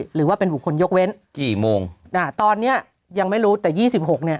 หรือว่าเป็นบุคคลยกเว้นกี่โมงอ่าตอนเนี้ยยังไม่รู้แต่ยี่สิบหกเนี่ย